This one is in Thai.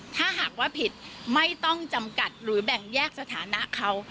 ถ้าหากว่าผิดไม่ต้องจำกัดหรือแบ่งแยกสถานะเขา